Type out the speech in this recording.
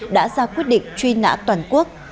đã ra quyết định truy nã toàn quốc